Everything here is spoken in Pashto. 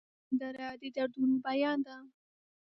سندره د دردونو بیان ده